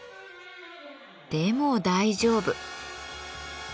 でも大丈夫。